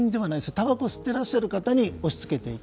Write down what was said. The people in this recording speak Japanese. たばこを吸ってらっしゃる方に押し付けていく。